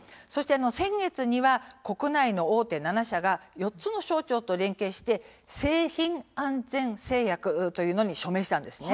先月には国内の大手７社が４つの省庁と連携して製品安全誓約というものに署名したんです。